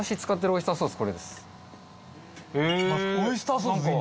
オイスターソース。